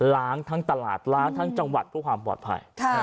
ทั้งตลาดล้างทั้งจังหวัดเพื่อความปลอดภัย